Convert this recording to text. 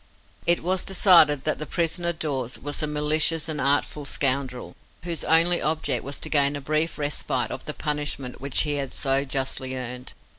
It was decided that the prisoner Dawes was a malicious and artful scoundrel, whose only object was to gain a brief respite of the punishment which he had so justly earned.